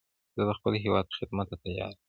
زه د خپل هېواد خدمت ته تیار یم